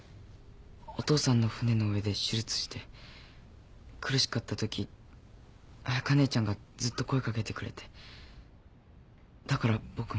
お父さんの船の上で手術して苦しかったとき彩佳ねえちゃんがずっと声かけてくれてだから僕も。